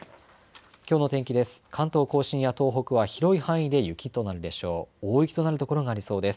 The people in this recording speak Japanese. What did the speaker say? きょうの天気です。